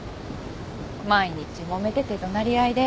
毎日もめてて怒鳴り合いで。